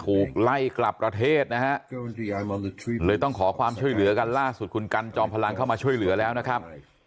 ถูกไล่กลับประเทศนะฮะเลยต้องขอความช่วยเหลือกันล่าสุดคุณกันจอมพลังเข้ามาช่วยเหลือแล้วนะครับ